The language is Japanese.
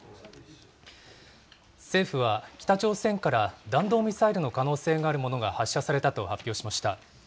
政府は北朝鮮から弾道ミサイルの可能性があるものが発射されたと発表しました。